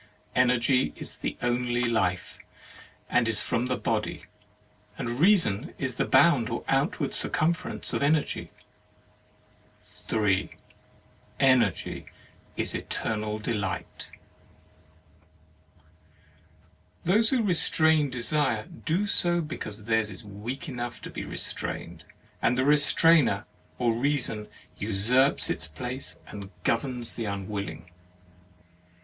Energy is the only life , and is from the Body; and Reason is the bound or outward circumference of Energy. 8 HEAVEN AND HELL 3. Energy is Eternal Delight. Those who restrain desire, do so because theirs is weak enough to be restrained; and the restrainer or reason usurps its place and governs the unwilling.